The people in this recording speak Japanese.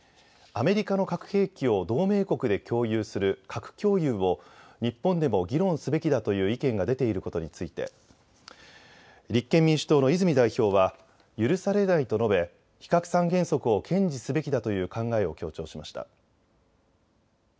アメリカの核兵器を同盟国で共有する核共有を日本でも議論すべきだという意見が出ていることについて立憲民主党の泉代表は許されないと述べ非核三原則を堅持すべきだという考えを強調しました。